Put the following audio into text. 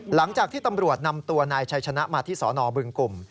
หลังจากที่ตำรวจนำตัวนายชัยชนะมาที่สนบึงกลุ่ม